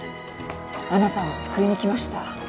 あなたを救いにきました。